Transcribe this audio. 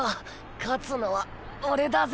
勝つのは俺だぜ。